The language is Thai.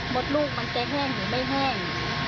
มดลูกมันจะแห้งหรือไม่แห้ง